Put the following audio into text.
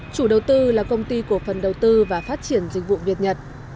chủ đầu tư là công ty cổ phần đầu tư và phát triển dịch vụ việt nhật